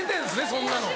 そんなの。